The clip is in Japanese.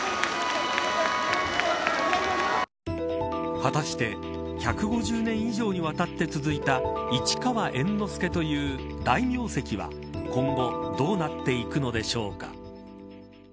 果たして１５０年以上にわたって続いた市川猿之助という大名跡は今後どうなっていくのでしょうか。